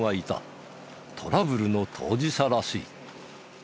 トラブルの当事者らしい。